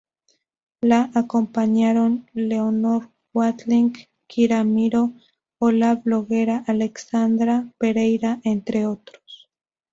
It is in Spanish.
Le acompañaron Leonor Watling, Kira Miró o la bloguera Alexandra Pereira, entre otros.